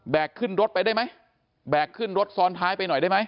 ขึ้นรถไปได้ไหมแบกขึ้นรถซ้อนท้ายไปหน่อยได้ไหม